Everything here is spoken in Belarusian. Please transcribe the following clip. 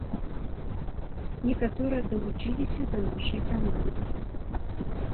Некаторыя далучыліся да нашай каманды.